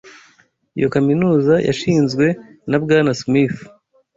Iyo kaminuza yashinzwe na Bwana Smith.